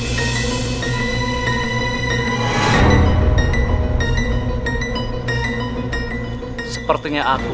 menguat hati padaku